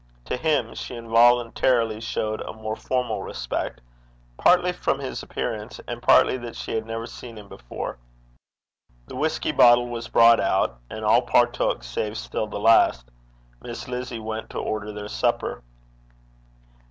To him she involuntarily showed a more formal respect, partly from his appearance, and partly that she had never seen him before. The whisky bottle was brought out, and all partook, save still the last. Miss Lizzie went to order their supper.